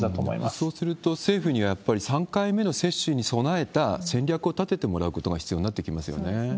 そうすると、政府にはやはり３回目の接種に備えた戦略を立ててもらうことが必そうですね。